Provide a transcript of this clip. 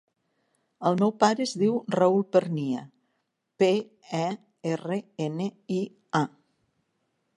El meu pare es diu Raül Pernia: pe, e, erra, ena, i, a.